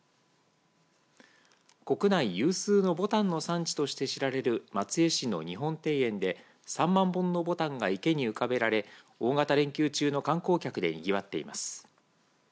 国内有数のぼたんの産地として知られる松江市の日本庭園では３万本のぼたんが池に浮かべられ大型連休中の観光客でにぎわっています。